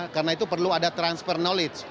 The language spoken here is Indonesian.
karena itu perlu ada transfer knowledge